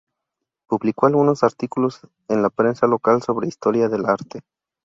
Publicó algunos artículos en la prensa local sobre historia del arte.